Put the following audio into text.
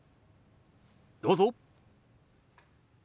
どうぞ。